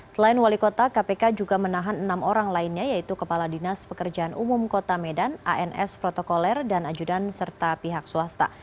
selain wali kota kpk juga menahan enam orang lainnya yaitu kepala dinas pekerjaan umum kota medan ans protokoler dan ajudan serta pihak swasta